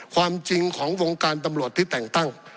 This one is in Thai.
ความจริงของวงการตำรวจที่แต่งตั้ง